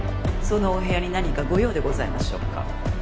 そのお部屋に何かご用でございましょうか？